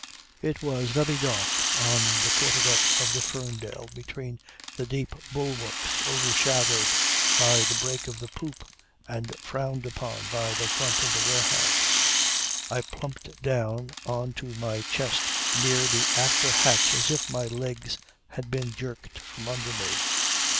"It was very dark on the quarter deck of the Ferndale between the deep bulwarks overshadowed by the break of the poop and frowned upon by the front of the warehouse. I plumped down on to my chest near the after hatch as if my legs had been jerked from under me.